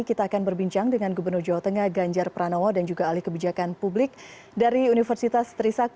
kita akan berbincang dengan gubernur jawa tengah ganjar pranowo dan juga alih kebijakan publik dari universitas trisakti